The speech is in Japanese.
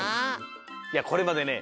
いやこれまでね